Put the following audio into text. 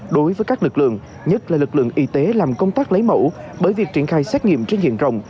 đối với các lực lượng nhất là lực lượng y tế làm công tác lấy mẫu bởi việc triển khai xét nghiệm trên diện rộng